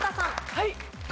はい。